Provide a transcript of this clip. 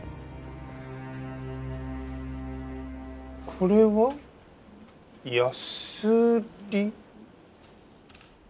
これはヤスリ？